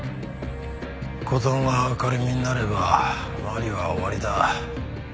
事が明るみになれば麻里は終わりだ。